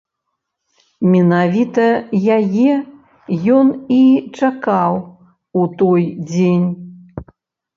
Менавіта яе ён і чакаў у той дзень.